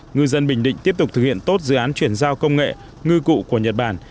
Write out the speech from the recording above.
ngư dân bình định tiếp tục thực hiện tốt dự án chuyển giao công nghệ ngư cụ của nhật bản